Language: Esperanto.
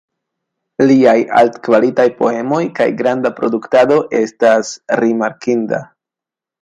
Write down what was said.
Liaj altkvalitaj poemoj kaj granda produktado estas rimarkinda.